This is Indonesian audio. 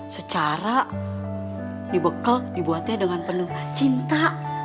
secara dibekel dibuatnya dengan penuh cinta